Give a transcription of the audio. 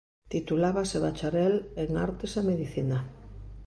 Titulábase bacharel en Artes e Medicina.